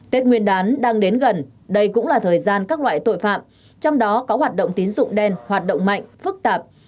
tết nguyên đán đang đến gần đây cũng là thời gian các loại tội phạm trong đó có hoạt động tín dụng đen hoạt động mạnh phức tạp